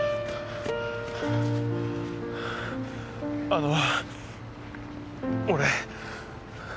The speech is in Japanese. あの俺。